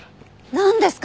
なんですか？